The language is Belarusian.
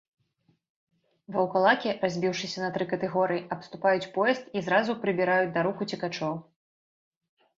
Ваўкалакі, разбіўшыся на тры катэгорыі, абступаюць поезд і зразу прыбіраюць да рук уцекачоў.